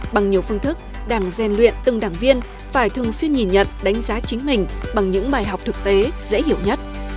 bằng nhiều phương thức đảng gian luyện từng đảng viên phải thường xuyên nhìn nhận đánh giá chính mình bằng những bài học thực tế dễ hiểu nhất